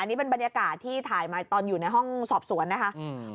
นี่เป็นบรรยากาศที่ถ่ายมาตอนอยู่ในห้องสอบสวนนะคะอืม